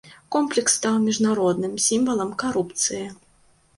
Комплекс стаў міжнародным сімвалам карупцыі.